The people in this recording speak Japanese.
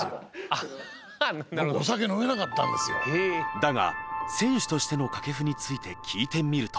だが選手としての掛布について聞いてみると。